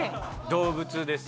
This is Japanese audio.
動物です。